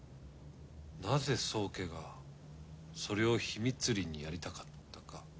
なぜ宗家がそれを秘密裏にやりたかったか。